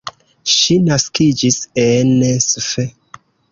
Ŝi naskiĝis en Sf.